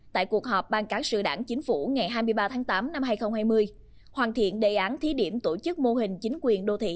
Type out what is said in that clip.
tại cuộc họp ban cán sự đảng chính phủ ngày hai mươi ba tháng tám năm hai nghìn hai mươi hoàn thiện đề án thí điểm tổ chức mô hình chính quyền đô thị